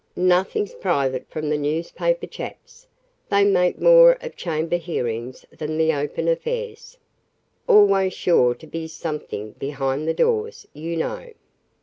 "Nothing's private from the newspaper chaps. They make more of chamber hearings than the open affairs. Always sure to be something behind the doors, you know."